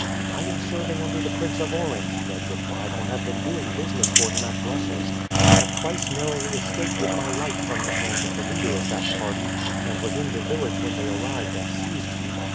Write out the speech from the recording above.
"I am serving under the Prince of Orange," Ned replied; "and have been doing business for him at Brussels. I have twice narrowly escaped with my life from the hands of the leader of that party, and was in the village when they arrived and seized you.